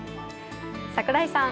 櫻井さん。